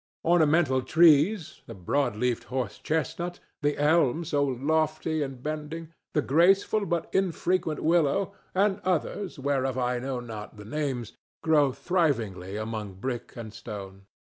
Ornamental trees—the broadleafed horse chestnut, the elm so lofty and bending, the graceful but infrequent willow, and others whereof I know not the names—grow thrivingly among brick and stone.